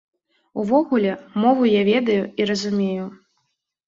Увогуле, мову я ведаю і разумею.